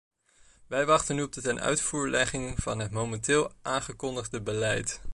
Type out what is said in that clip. Wij wachten nu op de tenuitvoerlegging van het momenteel aangekondigde beleid.